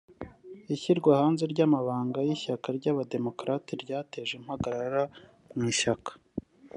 Ishyirwa ahanze ry’amabanga y’ishyaka ry’abademokarate ryateje impagaragara mu ishyaka